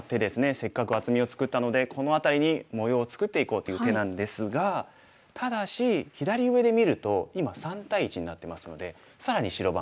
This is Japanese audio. せっかく厚みを作ったのでこの辺りに模様を作っていこうという手なんですがただし左上で見ると今３対１になってますので更に白番。